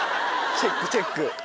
チェックチェック。